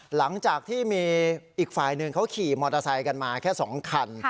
หลังจากที่มีอีกฝ่ายหนึ่งเขาขี่มอเตอร์ไซค์กันมาแค่๒คัน